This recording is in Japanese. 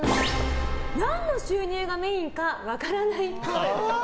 何の収入がメインか分からないっぽい。